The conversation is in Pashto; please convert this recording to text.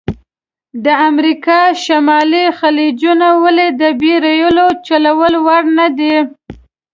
د امریکا شمالي خلیجونه ولې د بېړیو چلول وړ نه دي؟